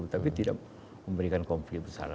tapi tidak memberikan konflik besar